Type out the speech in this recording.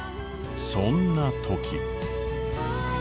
そんな時。